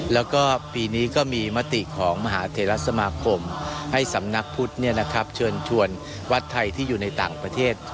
แล้วก็ปีนี้ก็มีมติของมหาเทรสมาคมให้สำนักพุทธเชิญชวนวัดไทยที่อยู่ในต่างประเทศ